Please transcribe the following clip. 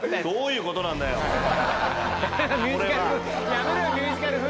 やめろよミュージカル風。